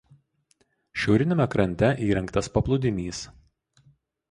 Šiauriniame krante įrengtas paplūdimys.